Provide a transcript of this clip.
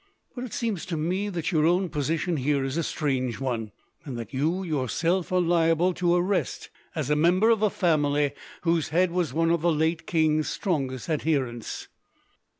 "But it seems to me that your own position here is a strange one, and that you yourself are liable to arrest, as a member of a family whose head was one of the late king's strongest adherents."